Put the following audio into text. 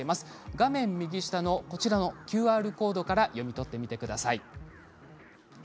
画面右下のＱＲコードから読み取ってみてください。